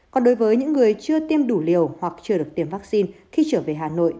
còn đối với những người chưa tiêm đủ liều hoặc chưa được tiêm vaccine khi trở về hà nội